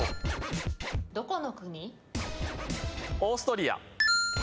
オーストリア。